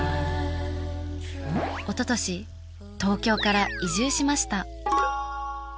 おととし東京から移住しました。